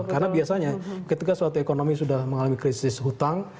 karena biasanya ketika suatu ekonomi sudah mengalami krisis hutang